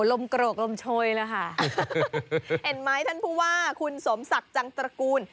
โกรกลมโชยแล้วค่ะเห็นไหมท่านผู้ว่าคุณสมศักดิ์จังตระกูล